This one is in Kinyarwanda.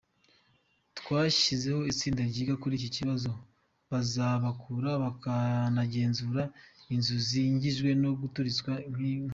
Twashyizeho itsinda ryiga kuri iki kibazo bazabarura bakanagenzura inzu zangijwe no guturitswa kw’intambi.